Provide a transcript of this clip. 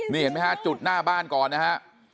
นี่เห็นไหมฮะจุดหน้าบ้านก่อนนะฮะ